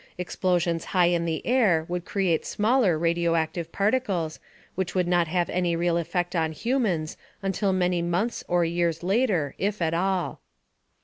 Explosions high in the air would create smaller radioactive particles, which would not have any real effect on humans until many months or years later, if at all.